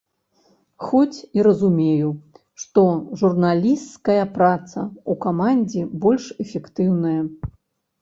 Хоць і разумею, што журналісцкая праца ў камандзе больш эфектыўная.